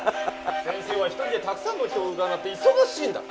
先生は一人でたくさんの人をうらなっていそがしいんだ。